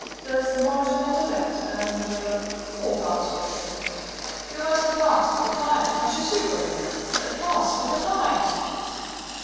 There's the march of intellect, and er all that sort of thing. We must advance with the times don't you see, Robinet? advance with the times!"